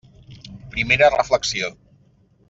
Primera reflexió.